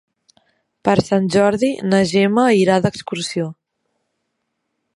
Per Sant Jordi na Gemma irà d'excursió.